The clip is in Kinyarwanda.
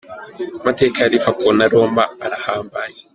Amateka ya Liverpool na Roma arahambaye.